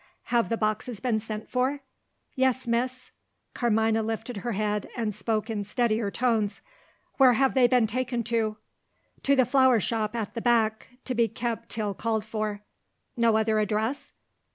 "Have the boxes been sent for?" "Yes, Miss." Carmina lifted her head, and spoke in steadier tones. "Where have they been taken to?" "To the flower shop at the back to be kept till called for." "No other address?"